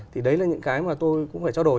thì đấy là những cái mà tôi cũng phải trao đổi